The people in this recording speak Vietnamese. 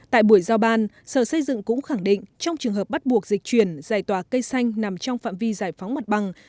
tại buổi giao ban sở xây dựng cũng khẳng định trong trường hợp bắt buộc dịch chuyển giải tỏa cây xanh nằm trong phạm vi giải phóng mặt bằng